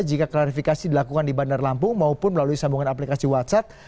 jika klarifikasi dilakukan di bandar lampung maupun melalui sambungan aplikasi whatsapp